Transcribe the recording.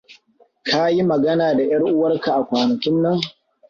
Ka yi magana da ƴar uwarka a kwanakin nan?